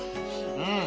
うん！